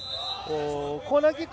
コーナーキック